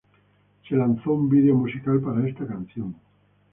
Se lanzó un video musical para esta canción.